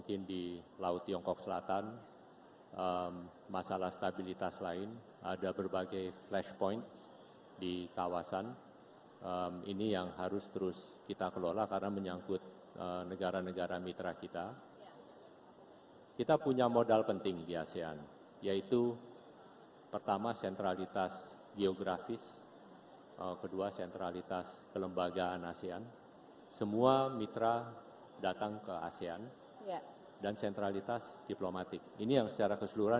ini akan membantu beliau dalam melakukan komunikasi dengan semua pihak